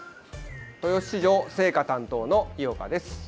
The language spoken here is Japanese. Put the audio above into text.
豊洲市場青果担当の井岡です。